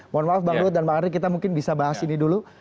mohon maaf bang ruth dan pak ari kita mungkin bisa bahas ini dulu